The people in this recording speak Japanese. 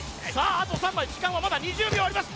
あと３枚時間はまだ２０秒あります